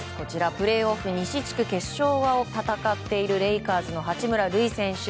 プレーオフ西地区決勝を戦っているレイカーズの八村塁選手。